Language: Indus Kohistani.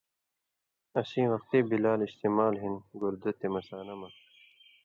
اسیں وختی بلال استعمال ہِن گردہ تے مثانہ مہ